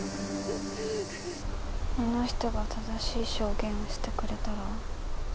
あの人が正しい証言をしてくれたら。